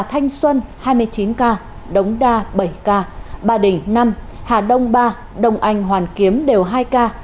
thanh xuân hai mươi chín ca đống đa bảy ca ba đình năm hà đông ba đông anh hoàn kiếm đều hai ca